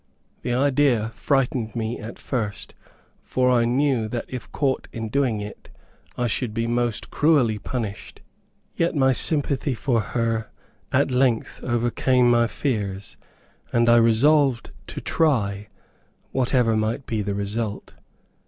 The idea frightened me at first, for I knew that if caught in doing it, I should be most cruelly punished, yet my sympathy for her at length overcame my fears, and I resolved to try, whatever might be the result.